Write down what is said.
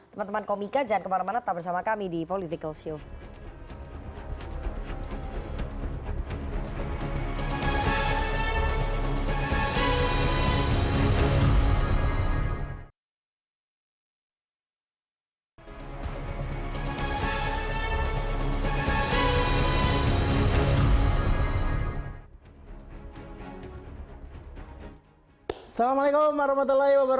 teman teman komika jangan kemana mana tetap bersama kami di political show